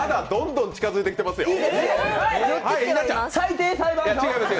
どんどん近づいてます。